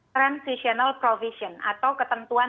transitional provision atau ketentuan